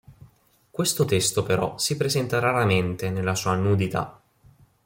Questo testo però si presenta raramente nella sua nudità".